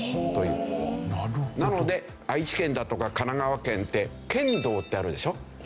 なので愛知県だとか神奈川県って県道ってあるでしょ？